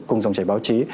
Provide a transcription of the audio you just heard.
cùng dòng chảy báo chí